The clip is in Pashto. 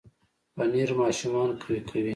پنېر ماشومان قوي کوي.